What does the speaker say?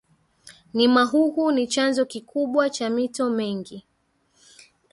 nimahuhu ni chanzo kikubwa cha mito mingi